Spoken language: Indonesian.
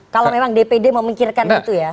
kalau memang dpd memikirkan itu ya